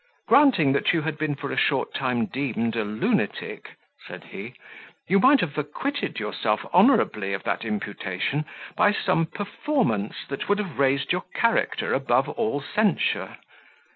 "Granting that you had been for a short time deemed a lunatic," said he, "you might have acquitted yourself honourably of that imputation, by some performance that would have raised your character above all censure.